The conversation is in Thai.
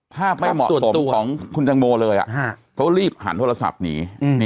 ไม่เหมาะสมของคุณตังโมเลยเขารีบหันโทรศัพท์หนี